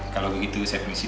kalau begitu saya permisi dulu